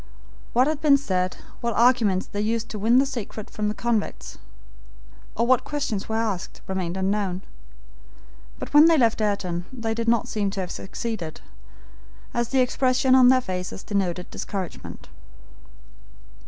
What had been said, what arguments they used to win the secret from the convict, or what questions were asked, remained unknown; but when they left Ayrton, they did not seem to have succeeded, as the expression on their faces denoted discouragement.